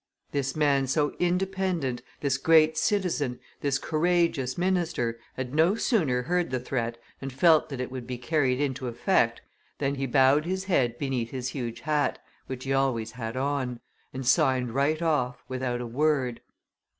This man so independent, this great citizen, this courageous minister, had no sooner heard the threat, and felt that it would be carried into effect, than he bowed his head beneath his huge hat, which he always had on, and signed right off, without a word.